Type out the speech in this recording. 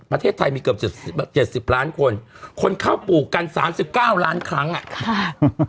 ประเทศไทยมีเกือบเจ็ดสิบเจ็ดสิบล้านคนคนเข้าปลูกกันสามสิบเก้าล้านครั้งอ่ะค่ะ